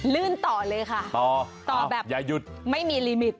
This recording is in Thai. ลื่นต่อเลยค่ะต่อแบบไม่มีลิมิต